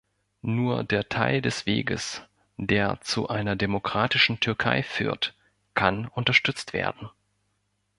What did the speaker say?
Nur der Teil des Weges, der zu einer demokratischen Türkei führt, kann unterstützt werden.